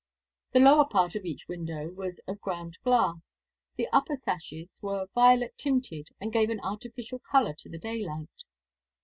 The lower part of each window was of ground glass; the upper sashes were violet tinted, and gave an artificial colour to the daylight.